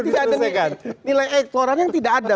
tadi dikatakan tidak ada nilai ekstorannya yang tidak ada